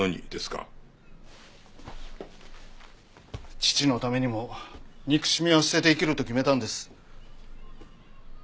父のためにも憎しみは捨てて生きると決めたんです。